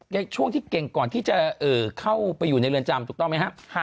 ในช่วงที่เก่งก่อนที่จะเข้าไปอยู่ในเรือนจำถูกต้องไหมครับ